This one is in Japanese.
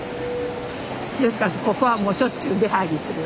ですからここはもうしょっちゅう出はいりする。